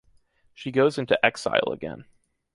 She goes into exile again.